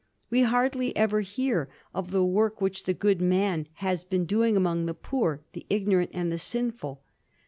We hardly ever hear of the work which the good man had been do ing among the poor, the ignorant, and the sinful.